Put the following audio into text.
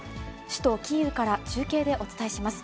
首都キーウから中継でお伝えします。